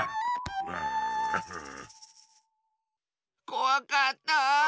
こわかった。